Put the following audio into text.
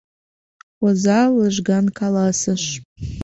— оза лыжган каласыш.